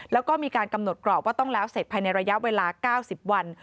แล้วก็มีการกำหนดกรอบว่าต้องแล้วเสร็จภายในระยะเวลา๙๐วัน